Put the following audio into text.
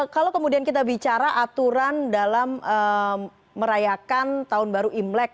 kalau kemudian kita bicara aturan dalam merayakan tahun baru imlek